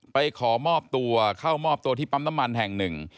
ขอมอบตัวเข้ามอบตัวที่ปั๊มน้ำมันแห่งหนึ่ง